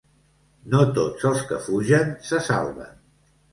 No tots els que fugen se salven.